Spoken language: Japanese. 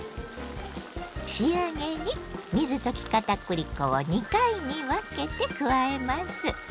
仕上げに水溶きかたくり粉を２回に分けて加えます。